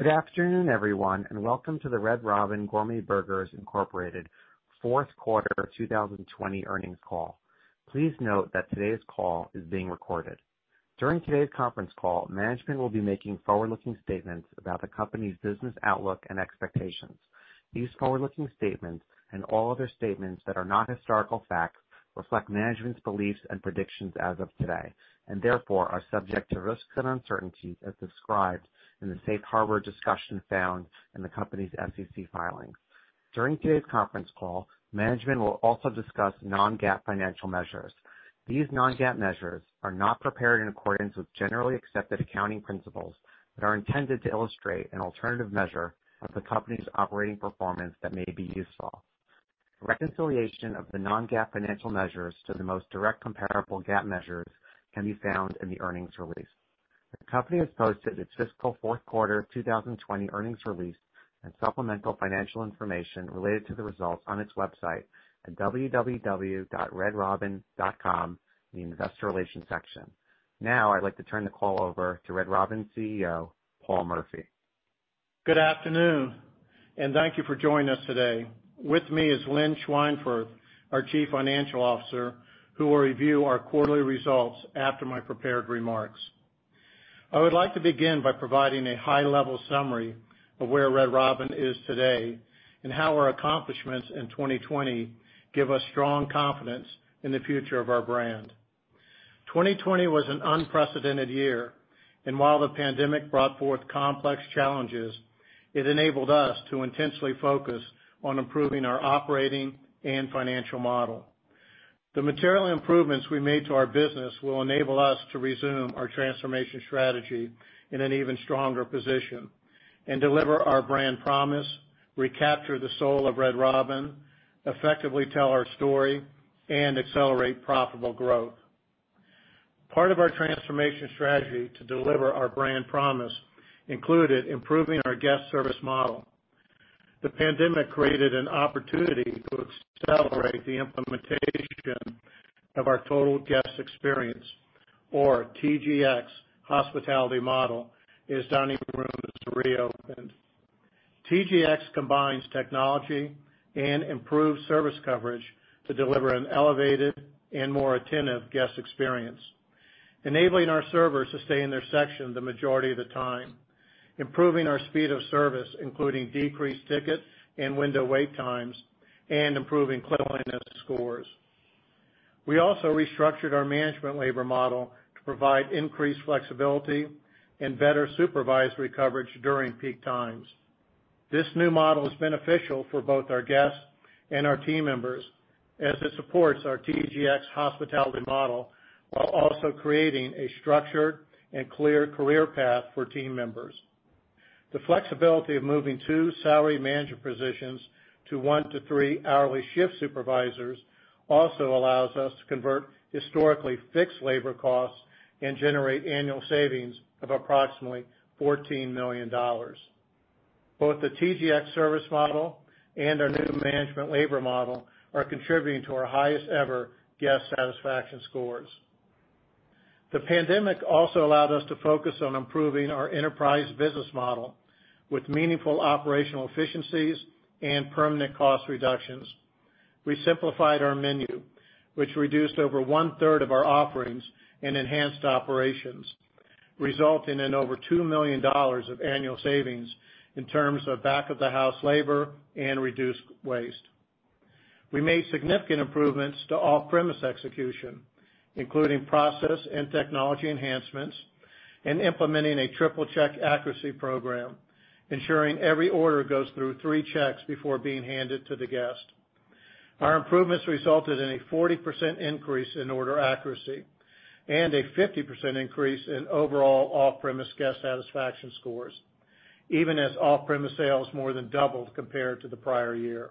Good afternoon, everyone, and welcome to the Red Robin Gourmet Burgers, Inc. Q4 2020 earnings call. Please note that today's call is being recorded. During today's conference call, management will be making forward-looking statements about the company's business outlook and expectations. These forward-looking statements, and all other statements that are not historical facts, reflect management's beliefs and predictions as of today, and therefore are subject to risks and uncertainties as described in the safe harbor discussion found in the company's SEC filings. During today's conference call, management will also discuss non-GAAP financial measures. These non-GAAP measures are not prepared in accordance with generally accepted accounting principles, but are intended to illustrate an alternative measure of the company's operating performance that may be useful. Reconciliation of the non-GAAP financial measures to the most direct comparable GAAP measures can be found in the earnings release. The company has posted its fiscal Q4 2020 earnings release and supplemental financial information related to the results on its website at www.redrobin.com in the investor relation section. Now I'd like to turn the call over to Red Robin CEO, Paul Murphy. Good afternoon, and thank you for joining us today. With me is Lynn Schweinfurth, our Chief Financial Officer, who will review our quarterly results after my prepared remarks. I would like to begin by providing a high-level summary of where Red Robin is today and how our accomplishments in 2020 give us strong confidence in the future of our brand. 2020 was an unprecedented year, and while the pandemic brought forth complex challenges, it enabled us to intensely focus on improving our operating and financial model. The material improvements we made to our business will enable us to resume our transformation strategy in an even stronger position and deliver our brand promise, recapture the soul of Red Robin, effectively tell our story, and accelerate profitable growth. Part of our transformation strategy to deliver our brand promise included improving our guest service model. The pandemic created an opportunity to accelerate the implementation of our total guest experience or TGX hospitality model in as dining rooms reopened. TGX combines technology and improved service coverage to deliver an elevated and more attentive guest experience, enabling our servers to stay in their section the majority of the time, improving our speed of service, including decreased ticket and window wait times, and improving cleanliness scores. We also restructured our management labor model to provide increased flexibility and better supervisory coverage during peak times. This new model is beneficial for both our guests and our team members, as it supports our TGX hospitality model while also creating a structured and clear career path for team members. The flexibility of moving two salary manager positions to one to three hourly shift supervisors also allows us to convert historically fixed labor costs and generate annual savings of approximately $14 million. Both the TGX service model and our new management labor model are contributing to our highest-ever guest satisfaction scores. The pandemic also allowed us to focus on improving our enterprise business model with meaningful operational efficiencies and permanent cost reductions. We simplified our menu, which reduced over one-third of our offerings and enhanced operations, resulting in over $2 million of annual savings in terms of back-of-the-house labor and reduced waste. We made significant improvements to off-premise execution, including process and technology enhancements and implementing a triple-check accuracy program, ensuring every order goes through three checks before being handed to the guest. Our improvements resulted in a 40% increase in order accuracy and a 50% increase in overall off-premise guest satisfaction scores, even as off-premise sales more than doubled compared to the prior year.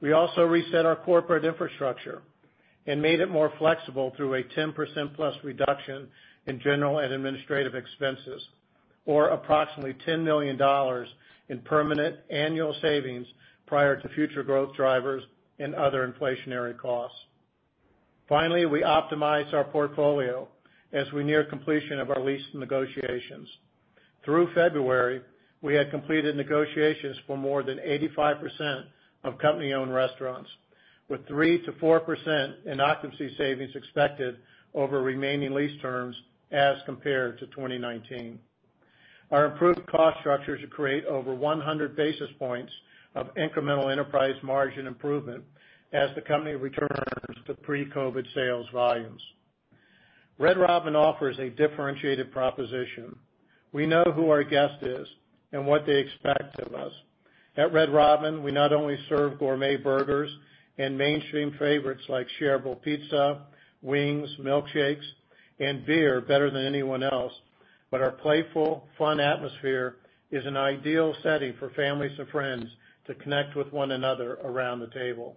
We also reset our corporate infrastructure and made it more flexible through a 10% plus reduction in general and administrative expenses, or approximately $10 million in permanent annual savings prior to future growth drivers and other inflationary costs. Finally, we optimized our portfolio as we near completion of our lease negotiations. Through February, we had completed negotiations for more than 85% of company-owned restaurants, with 3%-4% in occupancy savings expected over remaining lease terms as compared to 2019. Our improved cost structure should create over 100 basis points of incremental enterprise margin improvement as the company returns to pre-COVID sales volumes. Red Robin offers a differentiated proposition. We know who our guest is and what they expect of us. At Red Robin, we not only serve gourmet burgers and mainstream favorites like shareable pizza, wings, milkshakes, and beer better than anyone else, but our playful, fun atmosphere is an ideal setting for families and friends to connect with one another around the table.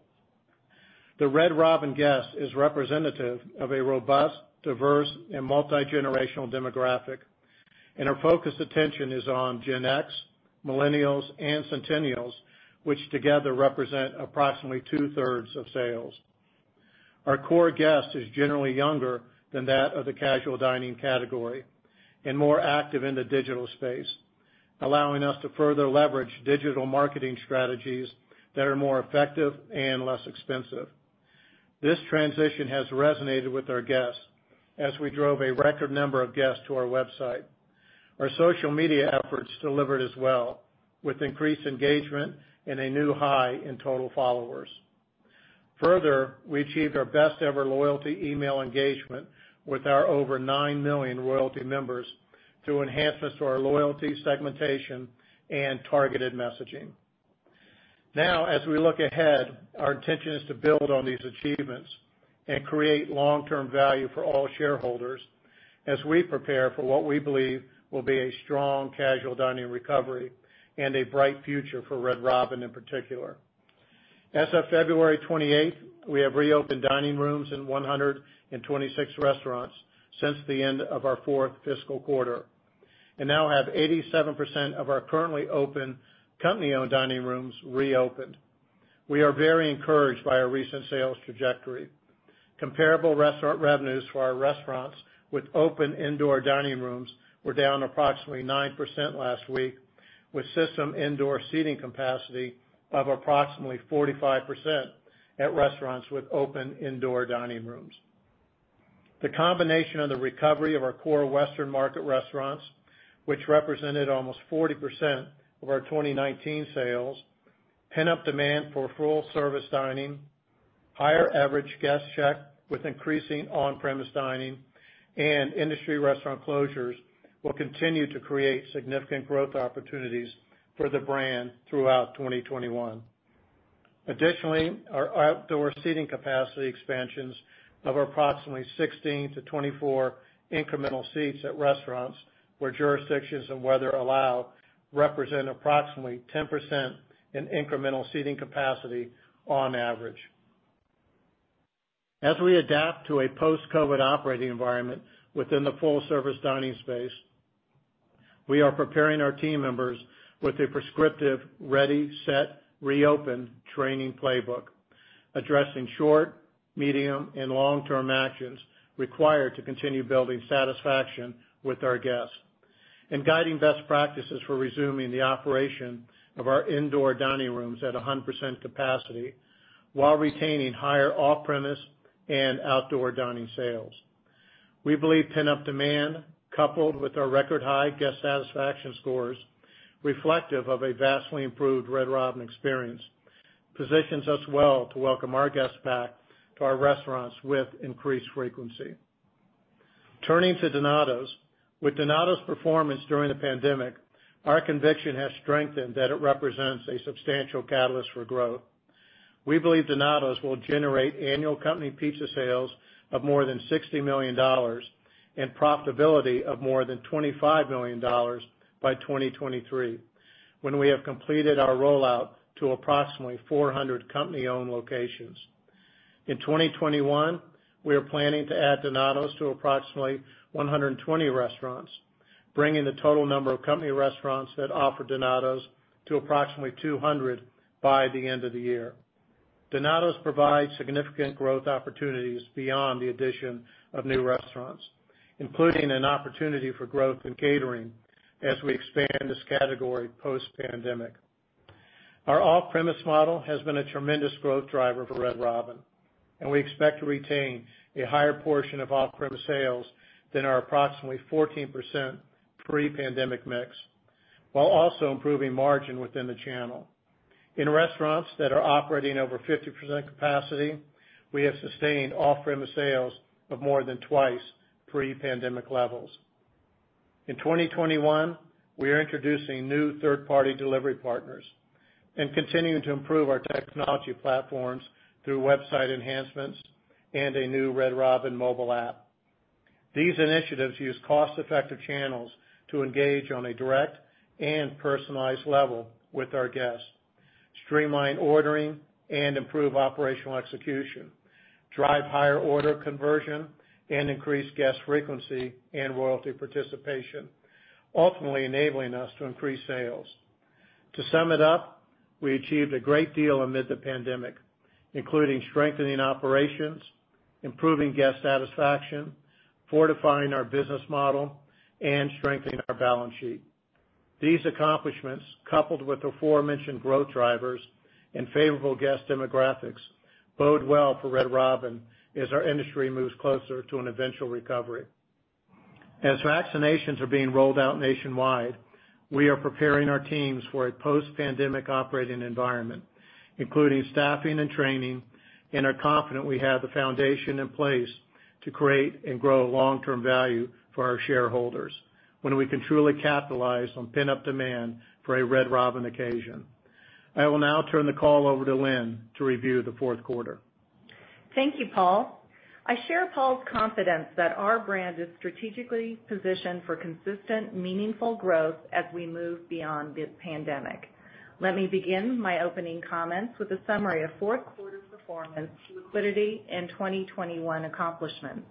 The Red Robin guest is representative of a robust, diverse, and multigenerational demographic, and our focused attention is on Gen X, millennials, and Centennials, which together represent approximately two-thirds of sales. Our core guest is generally younger than that of the casual dining category and more active in the digital space, allowing us to further leverage digital marketing strategies that are more effective and less expensive. This transition has resonated with our guests as we drove a record number of guests to our website. Our social media efforts delivered as well, with increased engagement and a new high in total followers. Further, we achieved our best-ever loyalty email engagement with our over nine million loyalty members through enhancements to our loyalty segmentation and targeted messaging. Now, as we look ahead, our intention is to build on these achievements and create long-term value for all shareholders as we prepare for what we believe will be a strong casual dining recovery and a bright future for Red Robin, in particular. As of February 28th, we have reopened dining rooms in 126 restaurants since the end of our fourth fiscal quarter and now have 87% of our currently open company-owned dining rooms reopened. We are very encouraged by our recent sales trajectory. Comparable restaurant revenues for our restaurants with open indoor dining rooms were down approximately 9% last week, with system indoor seating capacity of approximately 45% at restaurants with open indoor dining rooms. The combination of the recovery of our core Western market restaurants, which represented almost 40% of our 2019 sales, pent-up demand for full-service dining, higher average guest check with increasing on-premise dining, and industry restaurant closures will continue to create significant growth opportunities for the brand throughout 2021. Additionally, our outdoor seating capacity expansions of approximately 16-24 incremental seats at restaurants where jurisdictions and weather allow, represent approximately 10% in incremental seating capacity on average. As we adapt to a post-COVID operating environment within the full-service dining space, we are preparing our team members with a prescriptive Ready-Set-Reopen training playbook addressing short, medium, and long-term actions required to continue building satisfaction with our guests and guiding best practices for resuming the operation of our indoor dining rooms at 100% capacity while retaining higher off-premise and outdoor dining sales. We believe pent-up demand, coupled with our record-high guest satisfaction scores reflective of a vastly improved Red Robin experience, positions us well to welcome our guests back to our restaurants with increased frequency. Turning to Donatos. With Donatos' performance during the pandemic, our conviction has strengthened that it represents a substantial catalyst for growth. We believe Donatos will generate annual company pizza sales of more than $60 million and profitability of more than $25 million by 2023 when we have completed our rollout to approximately 400 company-owned locations. In 2021, we are planning to add Donatos to approximately 120 restaurants, bringing the total number of company restaurants that offer Donatos to approximately 200 by the end of the year. Donatos provides significant growth opportunities beyond the addition of new restaurants, including an opportunity for growth in catering as we expand this category post-pandemic. Our off-premise model has been a tremendous growth driver for Red Robin, and we expect to retain a higher portion of off-premise sales than our approximately 14% pre-pandemic mix, while also improving margin within the channel. In restaurants that are operating over 50% capacity, we have sustained off-premise sales of more than twice pre-pandemic levels. In 2021, we are introducing new third-party delivery partners and continuing to improve our technology platforms through website enhancements and a new Red Robin mobile app. These initiatives use cost-effective channels to engage on a direct and personalized level with our guests, streamline ordering, and improve operational execution, drive higher order conversion, and increase guest frequency and loyalty participation, ultimately enabling us to increase sales. To sum it up, we achieved a great deal amid the pandemic, including strengthening operations, improving guest satisfaction, fortifying our business model, and strengthening our balance sheet. These accomplishments, coupled with the aforementioned growth drivers and favorable guest demographics, bode well for Red Robin as our industry moves closer to an eventual recovery. As vaccinations are being rolled out nationwide, we are preparing our teams for a post-pandemic operating environment, including staffing and training, and are confident we have the foundation in place to create and grow long-term value for our shareholders when we can truly capitalize on pent-up demand for a Red Robin occasion. I will now turn the call over to Lynn to review the Q4. Thank you, Paul. I share Paul's confidence that our brand is strategically positioned for consistent, meaningful growth as we move beyond this pandemic. Let me begin my opening comments with a summary of Q4 performance, liquidity, and 2021 accomplishments.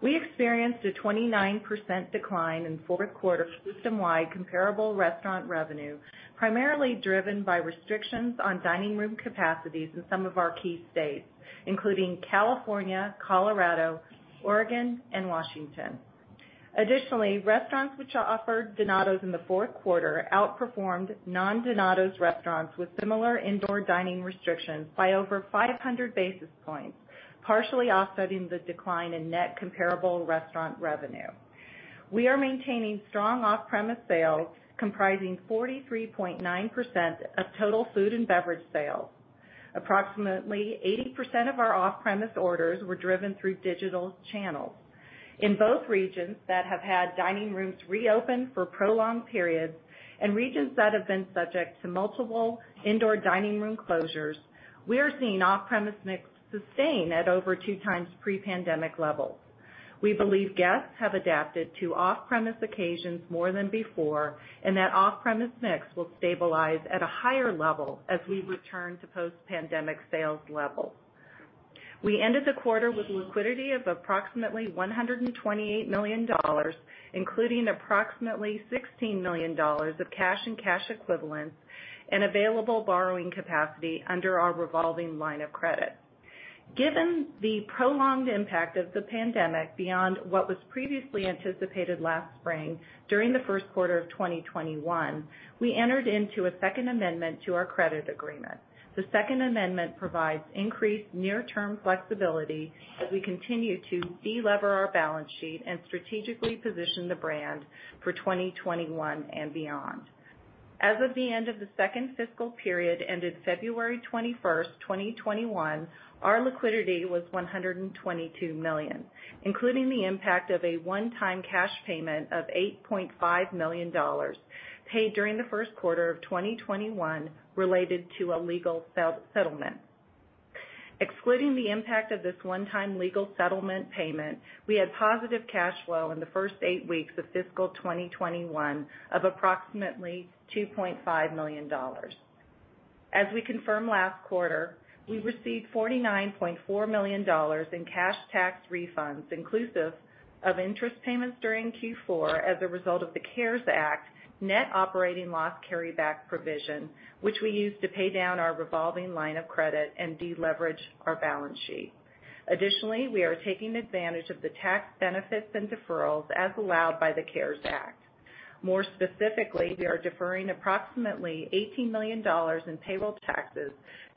We experienced a 29% decline in Q4 system-wide comparable restaurant revenue, primarily driven by restrictions on dining room capacities in some of our key states, including California, Colorado, Oregon, and Washington. Additionally, restaurants which offered Donatos in the Q4 outperformed non-Donatos restaurants with similar indoor dining restrictions by over 500 basis points, partially offsetting the decline in net comparable restaurant revenue. We are maintaining strong off-premise sales, comprising 43.9% of total food and beverage sales. Approximately 80% of our off-premise orders were driven through digital channels. In both regions that have had dining rooms reopen for prolonged periods, and regions that have been subject to multiple indoor dining room closures, we are seeing off-premise mix sustain at over two times pre-pandemic levels. We believe guests have adapted to off-premise occasions more than before, and that off-premise mix will stabilize at a higher level as we return to post-pandemic sales levels. We ended the quarter with liquidity of approximately $128 million, including approximately $16 million of cash and cash equivalents and available borrowing capacity under our revolving line of credit. Given the prolonged impact of the pandemic beyond what was previously anticipated last spring, during the Q1 of 2021, we entered into a second amendment to our credit agreement. The second amendment provides increased near-term flexibility as we continue to de-lever our balance sheet and strategically position the brand for 2021 and beyond. As of the end of the second fiscal period ended February 21st, 2021, our liquidity was $122 million, including the impact of a one-time cash payment of $8.5 million paid during the Q1 of 2021 related to a legal settlement. Excluding the impact of this one-time legal settlement payment, we had positive cash flow in the first eight weeks of fiscal 2021 of approximately $2.5 million. As we confirmed last quarter, we received $49.4 million in cash tax refunds inclusive of interest payments during Q4 as a result of the CARES Act net operating loss carryback provision, which we used to pay down our revolving line of credit and de-leverage our balance sheet. Additionally, we are taking advantage of the tax benefits and deferrals as allowed by the CARES Act. More specifically, we are deferring approximately $18 million in payroll taxes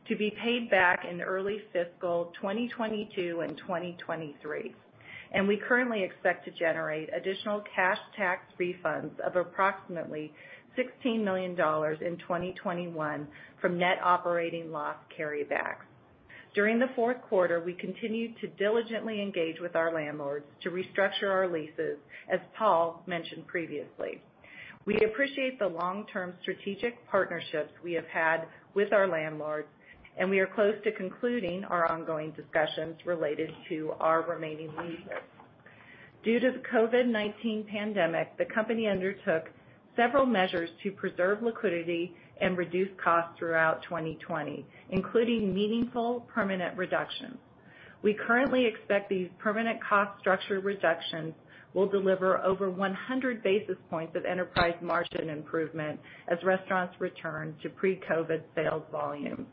to be paid back in early fiscal 2022 and 2023. We currently expect to generate additional cash tax refunds of approximately $16 million in 2021 from net operating loss carrybacks. During the Q4, we continued to diligently engage with our landlords to restructure our leases, as Paul mentioned previously. We appreciate the long-term strategic partnerships we have had with our landlords, and we are close to concluding our ongoing discussions related to our remaining leases. Due to the COVID-19 pandemic, the company undertook several measures to preserve liquidity and reduce costs throughout 2020, including meaningful permanent reductions. We currently expect these permanent cost structure reductions will deliver over 100 basis points of enterprise margin improvement as restaurants return to pre-COVID sales volumes.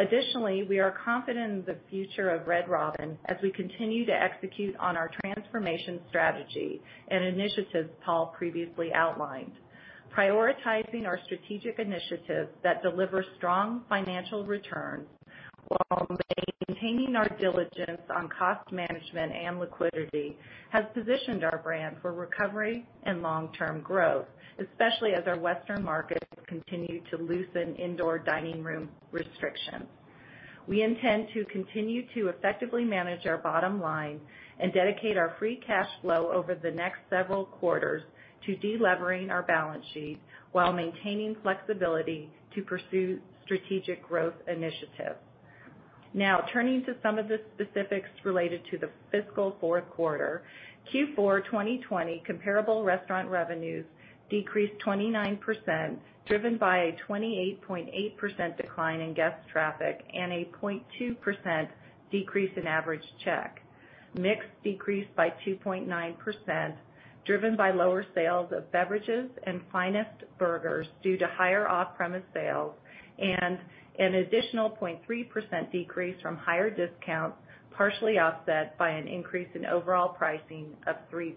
Additionally, we are confident in the future of Red Robin as we continue to execute on our transformation strategy and initiatives Paul previously outlined. Prioritizing our strategic initiatives that deliver strong financial returns while maintaining our diligence on cost management and liquidity has positioned our brand for recovery and long-term growth, especially as our Western markets continue to loosen indoor dining room restrictions. We intend to continue to effectively manage our bottom line and dedicate our free cash flow over the next several quarters to de-levering our balance sheet while maintaining flexibility to pursue strategic growth initiatives. Now, turning to some of the specifics related to the fiscal Q4. Q4 2020 comparable restaurant revenues decreased 29%, driven by a 28.8% decline in guest traffic and a 0.2% decrease in average check. Mix decreased by 2.9%, driven by lower sales of beverages and Finest Burgers due to higher off-premise sales, and an additional 0.3% decrease from higher discounts, partially offset by an increase in overall pricing of 3%.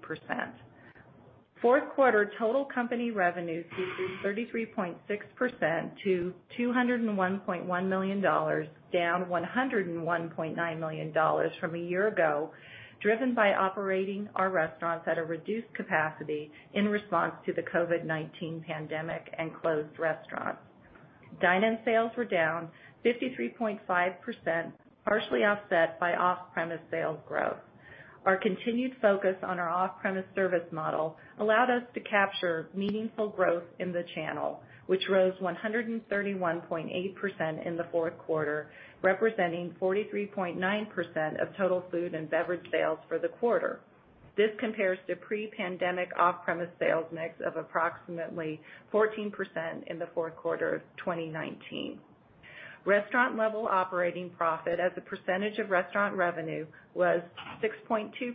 Q4 total company revenues decreased 33.6% to $201.1 million, down $101.9 million from a year ago, driven by operating our restaurants at a reduced capacity in response to the COVID-19 pandemic and closed restaurants. Dine-in sales were down 53.5%, partially offset by off-premise sales growth. Our continued focus on our off-premise service model allowed us to capture meaningful growth in the channel, which rose 131.8% in the Q4, representing 43.9% of total food and beverage sales for the quarter. This compares to pre-pandemic off-premise sales mix of approximately 14% in the Q4 of 2019. Restaurant level operating profit as a percentage of restaurant revenue was 6.2%,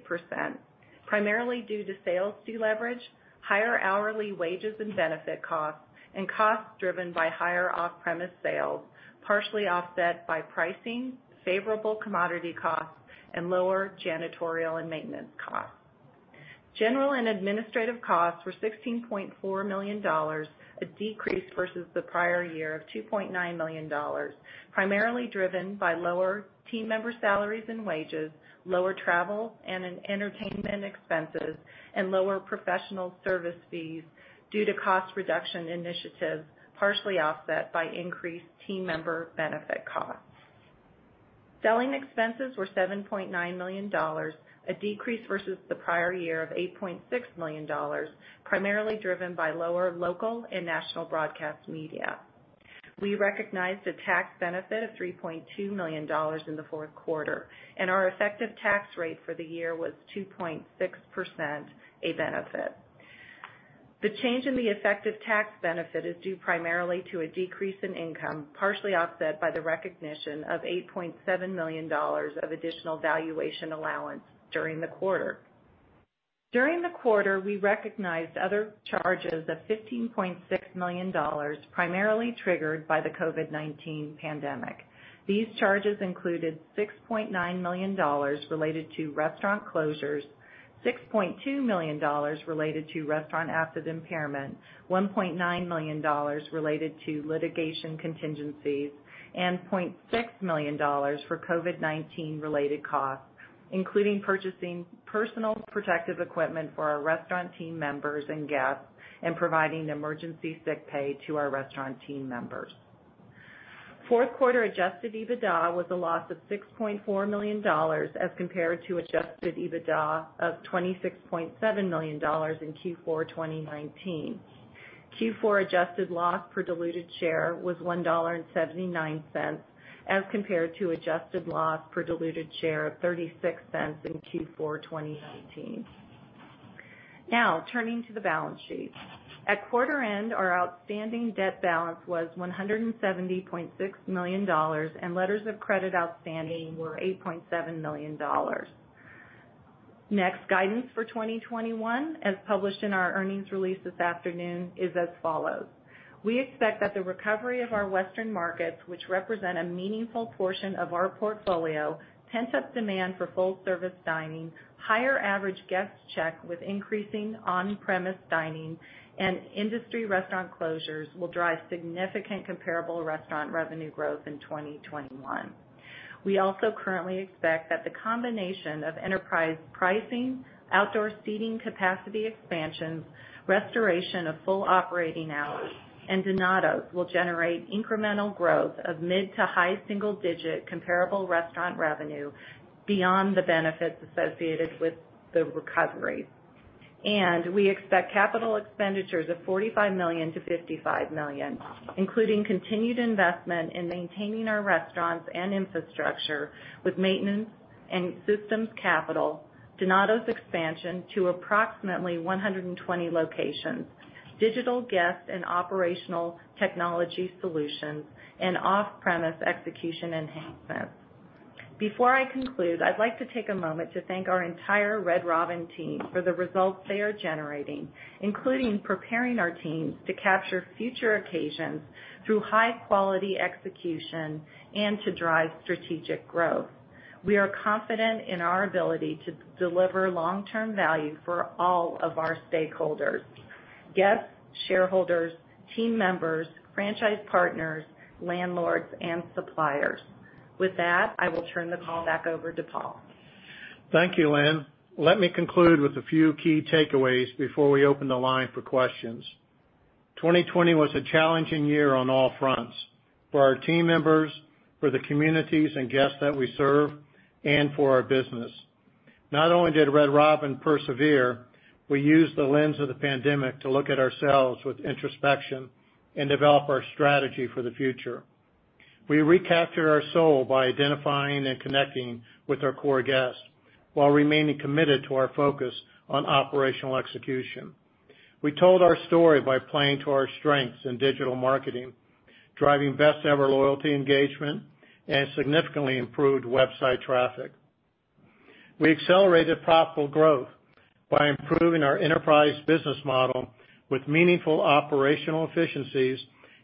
primarily due to sales deleverage, higher hourly wages and benefit costs, and costs driven by higher off-premise sales, partially offset by pricing, favorable commodity costs, and lower janitorial and maintenance costs. General and administrative costs were $16.4 million, a decrease versus the prior year of $2.9 million, primarily driven by lower team member salaries and wages, lower travel and entertainment expenses, and lower professional service fees due to cost reduction initiatives, partially offset by increased team member benefit costs. Selling expenses were $7.9 million, a decrease versus the prior year of $8.6 million, primarily driven by lower local and national broadcast media. We recognized a tax benefit of $3.2 million in the Q4, and our effective tax rate for the year was 2.6%, a benefit. The change in the effective tax benefit is due primarily to a decrease in income, partially offset by the recognition of $8.7 million of additional valuation allowance during the quarter. During the quarter, we recognized other charges of $15.6 million, primarily triggered by the COVID-19 pandemic. These charges included $6.9 million related to restaurant closures, $6.2 million related to restaurant asset impairment, $1.9 million related to litigation contingencies, and $0.6 million for COVID-19 related costs, including purchasing personal protective equipment for our restaurant team members and guests, and providing emergency sick pay to our restaurant team members. Q4 adjusted EBITDA was a loss of $6.4 million as compared to adjusted EBITDA of $26.7 million in Q4 2019. Q4 adjusted loss per diluted share was $1.79, as compared to adjusted loss per diluted share of $0.36 in Q4 2019. Now, turning to the balance sheet. At quarter end, our outstanding debt balance was $170.6 million, and letters of credit outstanding were $8.7 million. Next, guidance for 2021, as published in our earnings release this afternoon, is as follows: We expect that the recovery of our Western markets, which represent a meaningful portion of our portfolio, pent-up demand for full-service dining, higher average guest check with increasing on-premise dining, and industry restaurant closures will drive significant comparable restaurant revenue growth in 2021. We also currently expect that the combination of enterprise pricing, outdoor seating capacity expansions, restoration of full operating hours, and Donatos will generate incremental growth of mid to high single-digit comparable restaurant revenue beyond the benefits associated with the recovery. We expect capital expenditures of $45 million-$55 million, including continued investment in maintaining our restaurants and infrastructure with maintenance and systems capital, Donatos expansion to approximately 120 locations, digital guest and operational technology solutions, and off-premise execution enhancements. Before I conclude, I'd like to take a moment to thank our entire Red Robin team for the results they are generating, including preparing our teams to capture future occasions through high-quality execution and to drive strategic growth. We are confident in our ability to deliver long-term value for all of our stakeholders, guests, shareholders, team members, franchise partners, landlords, and suppliers. With that, I will turn the call back over to Paul. Thank you, Lynn. Let me conclude with a few key takeaways before we open the line for questions. 2020 was a challenging year on all fronts: for our team members, for the communities and guests that we serve, and for our business. Not only did Red Robin persevere, we used the lens of the pandemic to look at ourselves with introspection and develop our strategy for the future. We recaptured our soul by identifying and connecting with our core guests, while remaining committed to our focus on operational execution. We told our story by playing to our strengths in digital marketing, driving best-ever loyalty engagement, and significantly improved website traffic. We accelerated profitable growth by improving our enterprise business model with meaningful operational efficiencies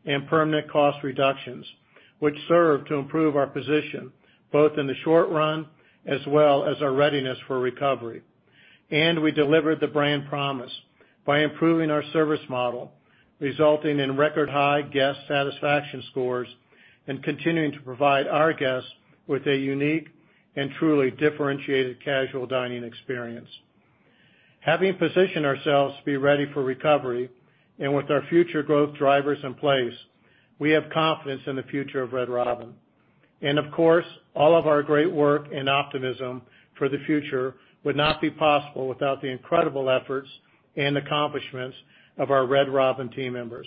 and permanent cost reductions, which serve to improve our position, both in the short run as well as our readiness for recovery. We delivered the brand promise by improving our service model, resulting in record-high guest satisfaction scores and continuing to provide our guests with a unique and truly differentiated casual dining experience. Having positioned ourselves to be ready for recovery and with our future growth drivers in place, we have confidence in the future of Red Robin. Of course, all of our great work and optimism for the future would not be possible without the incredible efforts and accomplishments of our Red Robin team members.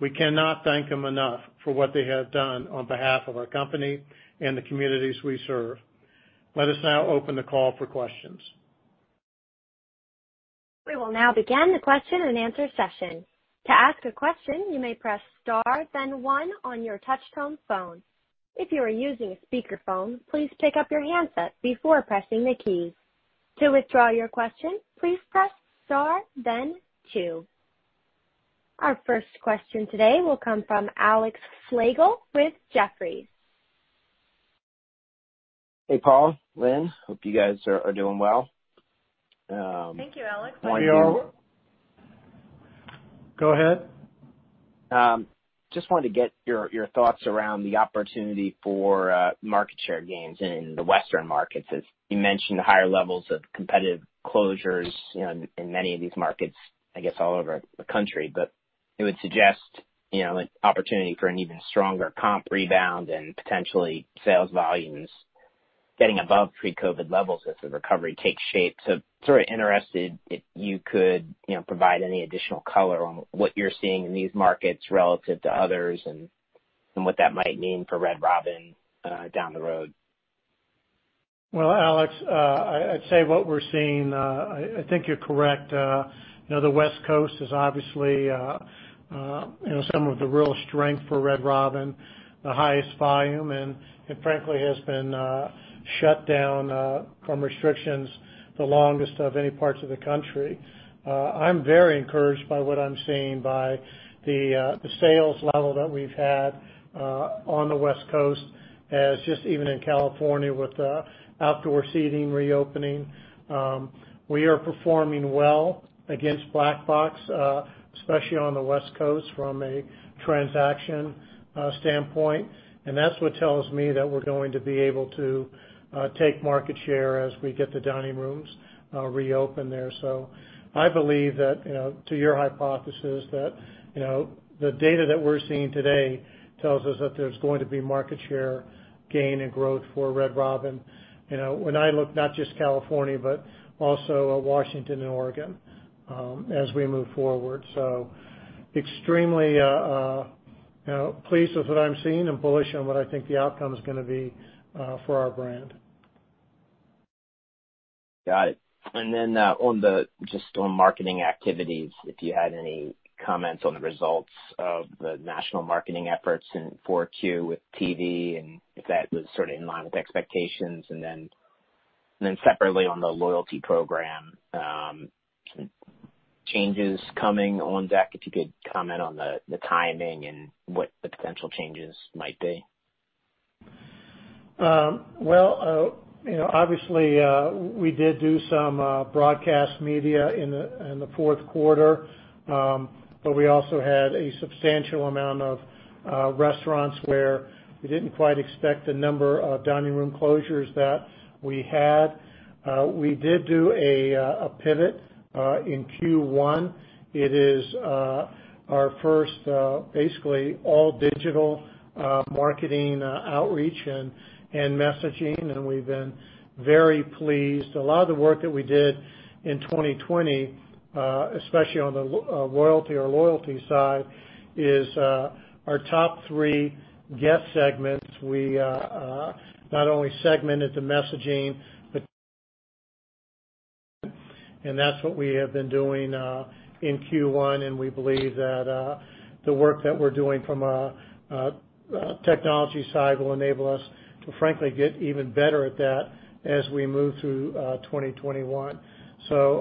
We cannot thank them enough for what they have done on behalf of our company and the communities we serve. Let us now open the call for questions. We will now begin the question and answer session. To ask a question, you may press star then 1 on your touchtone phone. If you are using a speakerphone, please pick up your handset before pressing the keys. To withdraw your question, please press star then 2. Our first question today will come from Alex Slagle with Jefferies. Hey, Paul, Lynn, hope you guys are doing well. Thank you, Alex. We are. Go ahead. Just wanted to get your thoughts around the opportunity for market share gains in the Western markets, as you mentioned, the higher levels of competitive closures, in many of these markets, I guess, all over the country. It would suggest an opportunity for an even stronger comp rebound and potentially sales volumes getting above pre-COVID levels as the recovery takes shape. Sort of interested if you could provide any additional color on what you're seeing in these markets relative to others and what that might mean for Red Robin, down the road. Well, Alex, I'd say what we're seeing, I think you're correct. The West Coast is obviously some of the real strength for Red Robin, the highest volume, and frankly, has been shut down from restrictions, the longest of any parts of the country. I'm very encouraged by what I'm seeing by the sales level that we've had on the West Coast as just even in California with outdoor seating reopening. We are performing well against Black Box, especially on the West Coast from a transaction standpoint. That's what tells me that we're going to be able to take market share as we get the dining rooms reopen there. I believe that to your hypothesis that the data that we're seeing today tells us that there's going to be market share gain and growth for Red Robin. When I look not just California, but also Washington and Oregon, as we move forward. Extremely pleased with what I'm seeing and bullish on what I think the outcome's going to be for our brand. Got it. Just on marketing activities, if you had any comments on the results of the national marketing efforts in 4Q with TV, and if that was sort of in line with expectations, and then separately on the loyalty program, changes coming on deck, if you could comment on the timing and what the potential changes might be? Well, obviously, we did do some broadcast media in the Q4. We also had a substantial amount of restaurants where we didn't quite expect the number of dining room closures that we had. We did do a pivot, in Q1. It is our first basically all digital marketing outreach and messaging, and we've been very pleased. A lot of the work that we did in 2020, especially on the loyalty side is, our top three guest segments. We not only segmented the messaging, but That's what we have been doing in Q1, and we believe that the work that we're doing from a technology side will enable us to frankly get even better at that as we move through 2021.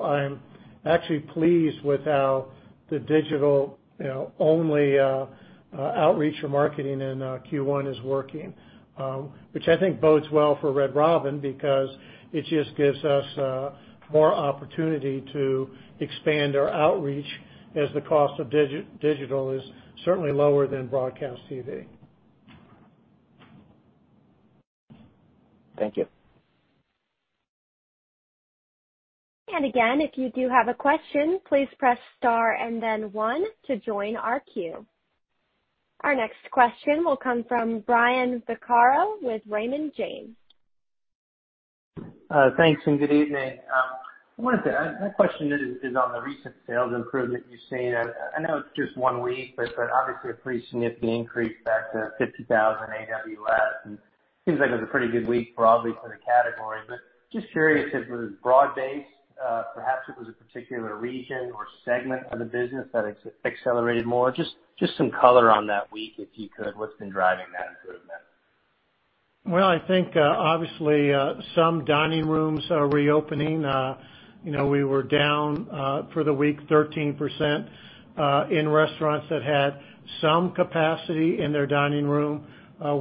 I'm actually pleased with how the digital-only outreach for marketing in Q1 is working. Which I think bodes well for Red Robin because it just gives us more opportunity to expand our outreach as the cost of digital is certainly lower than broadcast TV. Thank you. Again, if you do have a question, please press star and then one to join our queue. Our next question will come from Brian Vaccaro with Raymond James. Thanks. Good evening. I wanted to add, my question is on the recent sales improvement you've seen. I know it's just one week, but obviously a pretty significant increase back to $50,000 AWS last. Seems like it was a pretty good week broadly for the category. Just curious if it was broad-based. Perhaps it was a particular region or segment of the business that accelerated more. Just some color on that week, if you could, what's been driving that improvement? Well, I think, obviously, some dining rooms are reopening. We were down, for the week, 13%, in restaurants that had some capacity in their dining room.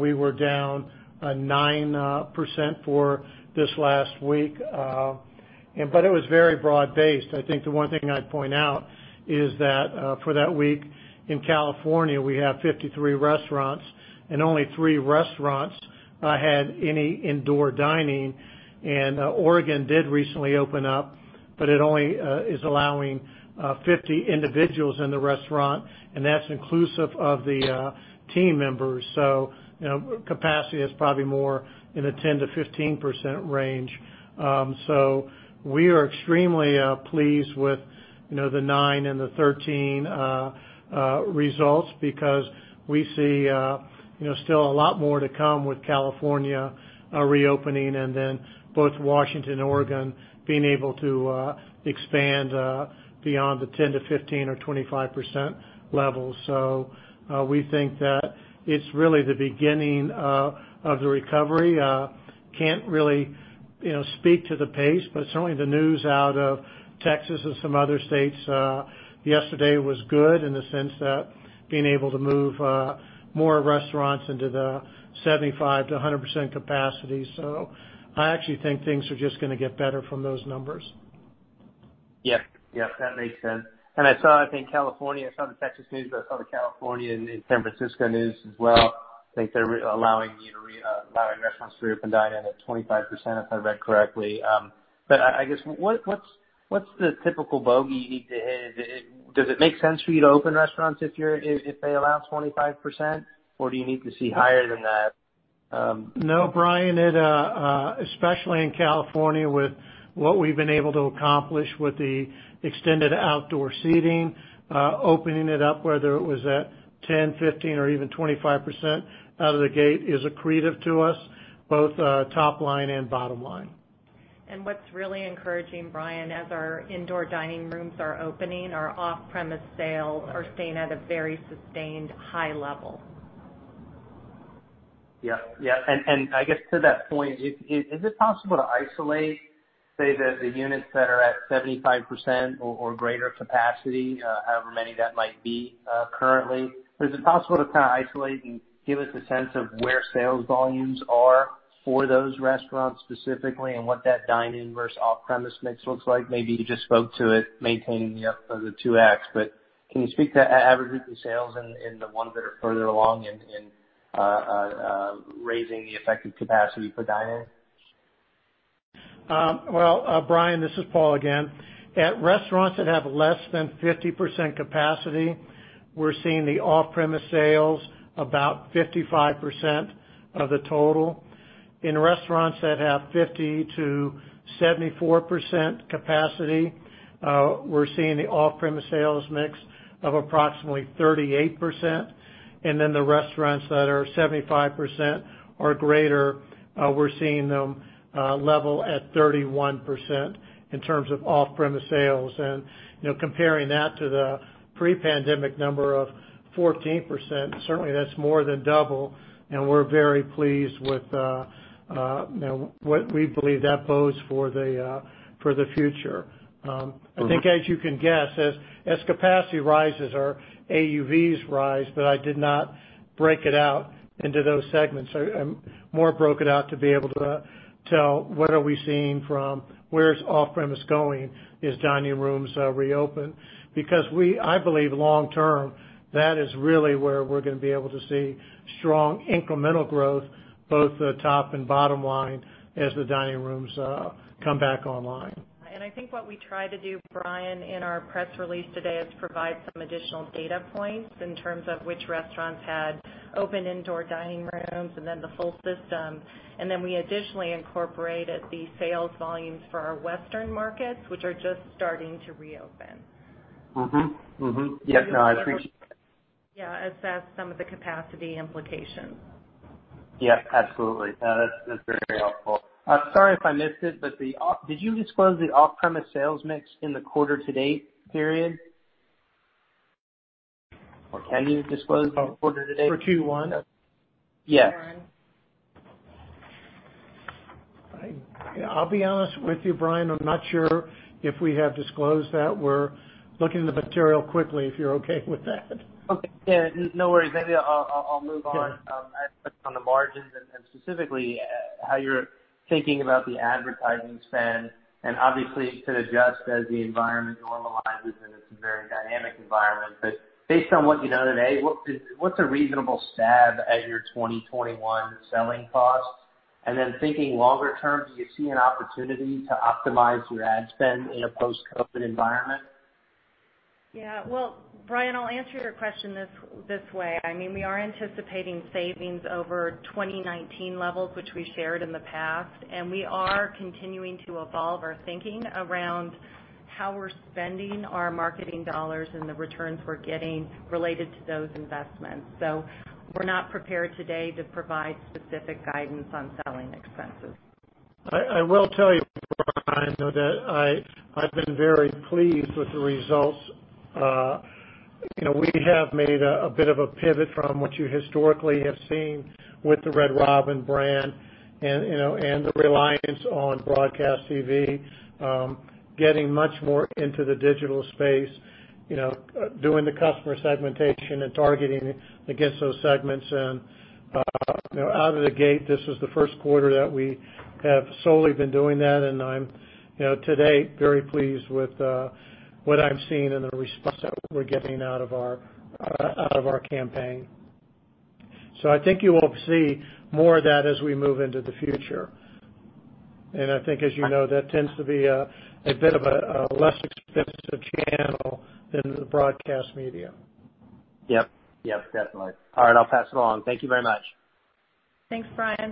We were down 9% for this last week. It was very broad-based. I think the one thing I'd point out is that, for that week in California, we have 53 restaurants and only three restaurants had any indoor dining. Oregon did recently open up, but it only is allowing 50 individuals in the restaurant, and that's inclusive of the team members. Capacity is probably more in the 10%-15% range. We are extremely pleased with the nine and the 13 results because we see still a lot more to come with California reopening and both Washington and Oregon being able to expand beyond the 10%-15% or 25% levels. We think that it's really the beginning of the recovery. Can't really speak to the pace, but certainly the news out of Texas and some other states yesterday was good in the sense that being able to move more restaurants into the 75%-100% capacity. I actually think things are just going to get better from those numbers. Yes. That makes sense. I saw, I think California, I saw the Texas news, I saw the California and San Francisco news as well. I think they're allowing restaurants to reopen dine-in at 25%, if I read correctly. I guess, what's the typical bogey you need to hit? Does it make sense for you to open restaurants if they allow 25%, or do you need to see higher than that? No, Brian. Especially in California with what we've been able to accomplish with the extended outdoor seating, opening it up whether it was at 10, 15, or even 25% out of the gate is accretive to us, both top line and bottom line. What's really encouraging, Brian, as our indoor dining rooms are opening, our off-premise sales are staying at a very sustained high level. Yes. I guess to that point, is it possible to isolate, say, the units that are at 75% or greater capacity however many that might be currently, but is it possible to kind of isolate and give us a sense of where sales volumes are for those restaurants specifically and what that dine-in versus off-premise mix looks like? Maybe you just spoke to it maintaining the 2x, but can you speak to average weekly sales in the ones that are further along in raising the effective capacity for dine-in? Well, Brian, this is Paul again. At restaurants that have less than 50% capacity, we're seeing the off-premise sales about 55% of the total. In restaurants that have 50%-74% capacity, we're seeing the off-premise sales mix of approximately 38%. The restaurants that are 75% or greater, we're seeing them level at 31% in terms of off-premise sales. Comparing that to the pre-pandemic number of 14%, certainly that's more than double, and we're very pleased with what we believe that bodes for the future. I think as you can guess, as capacity rises, our AUVs rise, but I did not break it out into those segments. I'm more broken out to be able to tell what are we seeing from where's off-premise going as dining rooms reopen. I believe long-term, that is really where we're going to be able to see strong incremental growth, both the top and bottom line as the dining rooms come back online. I think what we try to do, Brian, in our press release today is provide some additional data points in terms of which restaurants had open indoor dining rooms and then the full system. Then we additionally incorporated the sales volumes for our Western markets, which are just starting to reopen. Mm-hmm. Yes. No. Yeah. Assess some of the capacity implications. Yes, absolutely. That's very helpful. Sorry if I missed it, but did you disclose the off-premise sales mix in the quarter to date period? Can you disclose the quarter to date? For Q1? Yes. Brian. I'll be honest with you, Brian, I'm not sure if we have disclosed that. We're looking at the material quickly, if you're okay with that. Okay. Yeah, no worries. Maybe I'll move on. Sure. I have a question on the margins and specifically how you're thinking about the advertising spend, and obviously to adjust as the environment normalizes, and it's a very dynamic environment. Based on what you know today, what's a reasonable stab at your 2021 selling cost? Then thinking longer term, do you see an opportunity to optimize your ad spend in a post-COVID environment? Yeah. Well, Brian, I'll answer your question this way. We are anticipating savings over 2019 levels, which we shared in the past, and we are continuing to evolve our thinking around how we're spending our marketing dollars and the returns we're getting related to those investments. We're not prepared today to provide specific guidance on selling expenses. I will tell you, Brian, that I've been very pleased with the results. We have made a bit of a pivot from what you historically have seen with the Red Robin and the reliance on broadcast TV. Getting much more into the digital space, doing the customer segmentation and targeting against those segments. Out of the gate, this was the Q1 that we have solely been doing that, and I'm today very pleased with what I'm seeing and the response that we're getting out of our campaign. I think you will see more of that as we move into the future. I think as you know, that tends to be a bit of a less expensive channel than the broadcast media. Yep. Definitely. All right, I'll pass it along. Thank you very much. Thanks, Brian..